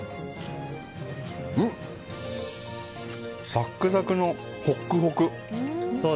サックサクのホックホク！